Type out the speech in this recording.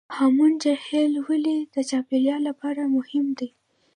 هامون جهیلونه ولې د چاپیریال لپاره مهم دي؟